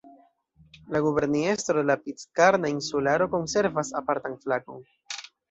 La Guberniestro de la Pitkarna Insularo konservas apartan flagon.